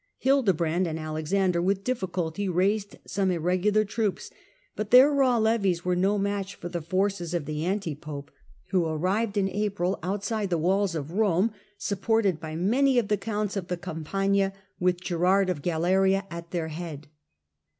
Hildebrand and Alexander with difficulty raised some irregular troops ; but their raw levies were no match for the forces of the anti pope, who arrived Digitized by VjOOQIC 58 HlLDBBRAND in April outside the walls of Rome, supported by many of the counts of the Campagna, with Girard of Galena A struggle ^^®^^ head.